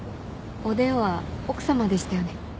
お電話奥さまでしたよね。